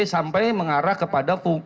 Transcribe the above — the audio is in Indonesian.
sampai mengarah kepada